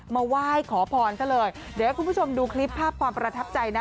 มาไหว้ขอพรซะเลยเดี๋ยวให้คุณผู้ชมดูคลิปภาพความประทับใจนะ